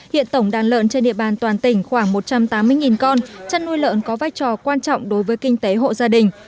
hiện tổng đàn lợn trên địa bàn toàn tỉnh khoảng một trăm tám mươi con chăn nuôi lợn có vai trò quan trọng đối với kinh tế hộ gia đình